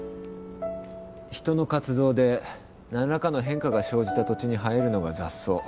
人の活動で何らかの変化が生じた土地に生えるのが雑草。